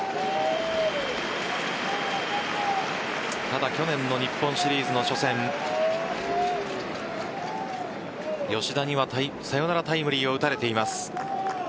ただ、去年の日本シリーズの初戦吉田にはサヨナラタイムリーを打たれています。